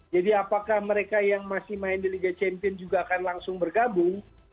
jadi apakah mereka yang masih main di liga champion juga akan langsung bergabung